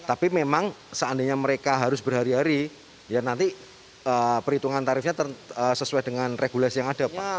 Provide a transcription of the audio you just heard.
tapi memang seandainya mereka harus berhari hari ya nanti perhitungan tarifnya sesuai dengan regulasi yang ada pak